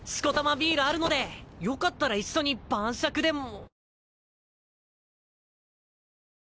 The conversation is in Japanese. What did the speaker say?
ビールあるのでよかったら一緒に晩酌でも。